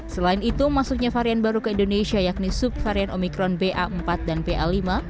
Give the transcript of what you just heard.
selain itu masuknya varian baru ke indonesia yakni subvarian omikron ba empat dan ba lima